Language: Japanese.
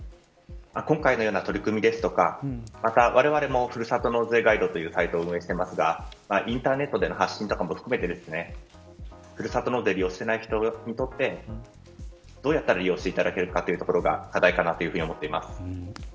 今回のような取り組みですとかまた、われわれもふるさと納税ガイドというサイトを運営していますがインターネットでの発信も含めてふるさと納税を利用していない人にとってどうやったら利用していただけるかというのが課題だと思ってます。